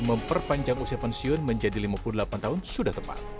memperpanjang usia pensiun menjadi lima puluh delapan tahun sudah tepat